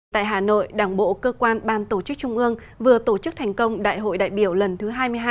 tại hà nội đảng bộ cơ quan ban tổ chức trung ương vừa tổ chức thành công đại hội đại biểu lần thứ hai mươi hai